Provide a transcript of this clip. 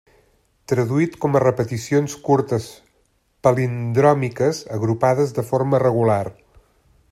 Traduït com repeticions curtes palindròmiques agrupades de forma regular.